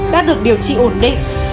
đã được điều trị ổn định